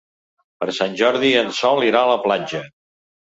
Per Sant Jordi en Sol irà a la platja.